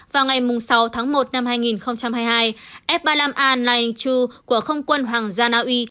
vào ngày sáu tháng một năm hai nghìn hai mươi hai f ba mươi năm a line hai của không quân hoàng gia na uy